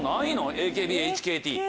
ＡＫＢＨＫＴ。